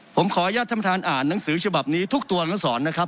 ผมขออนุญาตท่านประธานอ่านหนังสือฉบับนี้ทุกตัวอักษรนะครับ